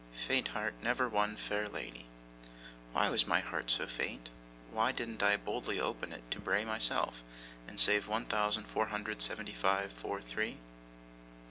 "Faint heart never won fair lady." Why was my heart so faint? Why didn't I boldly open it to Bray myself, and save one thousand four hundred and seventy five, four, three?